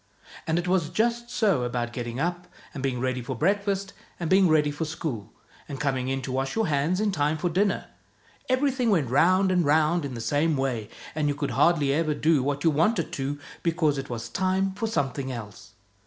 And it was just so about getting up, and being ready for breakfast, and being ready for school, and coming in to wash your hands in time for dinner: everything went round and round in the same way, and you could hardly ever do what you wanted to, because it was time for something else.